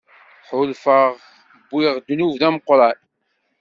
Ḥulfaɣ wwiɣ ddnub d ameqqran.